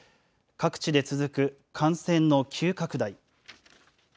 各地で続く感染の急拡大。